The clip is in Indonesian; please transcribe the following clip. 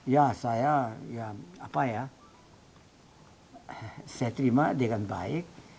ya saya ya apa ya saya terima dengan baik